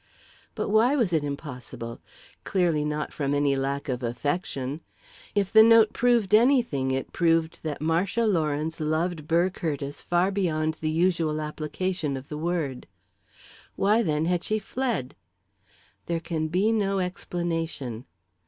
But why was it impossible? Clearly not from any lack of affection. If the note proved anything, it proved that Marcia Lawrence loved Burr Curtiss far beyond the usual application of the word. Why, then, had she fled? "There can be no explanation."